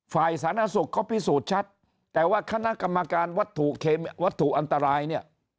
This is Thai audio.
สาธารณสุขเขาพิสูจน์ชัดแต่ว่าคณะกรรมการวัตถุวัตถุอันตรายเนี่ย